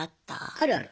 あるある。